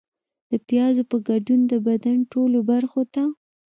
د پیازو په ګډون د بدن ټولو برخو ته